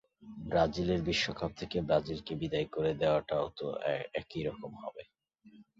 ব্রাজিলের বিশ্বকাপ থেকে ব্রাজিলকে বিদায় করে দেওয়াটাও তো একই রকম হবে।